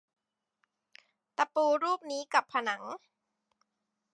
ตะปูรูปนี้กับผนัง